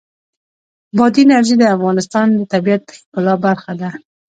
بادي انرژي د افغانستان د طبیعت د ښکلا برخه ده.